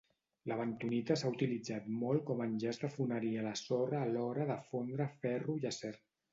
La bentonita s'ha utilitzat molt com a enllaç de foneria a la sorra a l'hora de fondre ferro i acer.